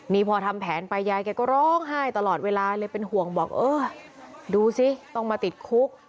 นี่พอทำแผนไปยายแกก็ร้องไห้ตลอดเวลาเลยเป็นห่วงบอกเออดูสิต้องมาติดคุก